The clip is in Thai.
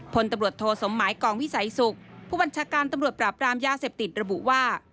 พลตำรวจโทสมหมายกองวิสัยสุขผู้บัญชาการตำรวจปราบรามยาเสพติดระบุว่า